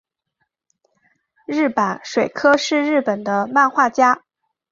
日坂水柯是日本的漫画家。